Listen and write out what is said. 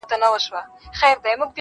o که مي د دې وطن له کاڼي هم کالي څنډلي.